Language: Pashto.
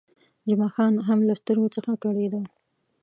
جمعه خان هم له سترګو څخه کړېده.